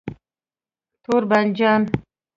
🍆 تور بانجان